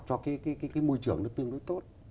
cho nên là nó đảm bảo cái môi trường nó tương đối tốt